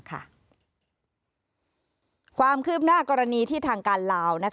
ความคืบหน้ากรณีที่ทางการลาว